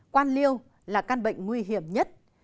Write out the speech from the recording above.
quan liêu là căn bệnh nguy hiểm nhất